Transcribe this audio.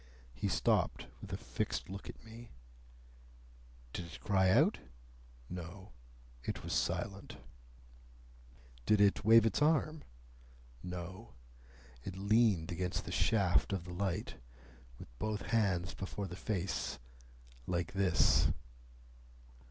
He stopped, with a fixed look at me. "Did it cry out?" "No. It was silent." "Did it wave its arm?" "No. It leaned against the shaft of the light, with both hands before the face. Like this."